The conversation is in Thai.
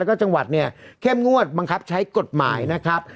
แล้วก็จังหวัดเนี่ยเข้มงวดบังคับใช้กฎหมายนะครับ